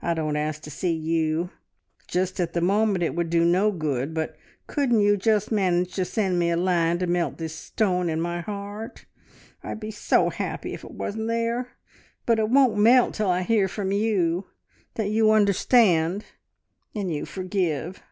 I don't ask to see you just at the moment it would do no good, but couldn't you just manage to send me a line to melt this stone in my heart? I'd be so happy if it wasn't there. But it won't melt till I hear from you, that you understand, and you forgive!